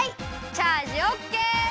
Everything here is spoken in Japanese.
チャージオッケー！